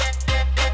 aku sudah keperéréan